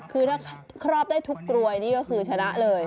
คือถ้าครอบได้ทุกกรวยนี่ก็คือชนะเลย